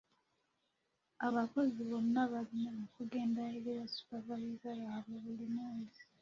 Abakozi bonna balina okugenda eri ba supervisor baabwe buli mwezi.